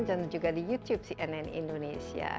dan juga di youtube cnn indonesia